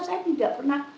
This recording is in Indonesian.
saya tidak pernah